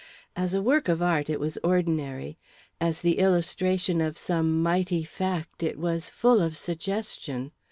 As a work of art, it was ordinary; as the illustration of some mighty fact, it was full of suggestion.